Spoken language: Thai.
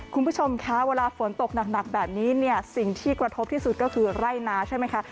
คุณผู้ชมคะเวลาฝนตกหนักแบบนี้เนี่ยสิ่งที่กระทบที่สุดก็คือไร่นาใช่ไหมคะ